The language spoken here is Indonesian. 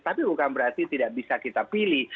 tapi bukan berarti tidak bisa kita pilih